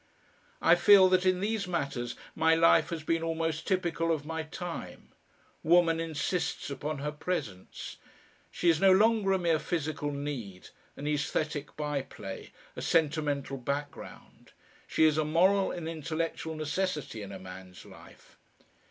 I feel that in these matters my life has been almost typical of my time. Woman insists upon her presence. She is no longer a mere physical need, an aesthetic bye play, a sentimental background; she is a moral and intellectual necessity in a man's life.